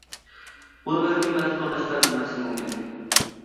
بۇنى بەلكىم بەزى تورداشلار بىلمەسلىكى مۇمكىن.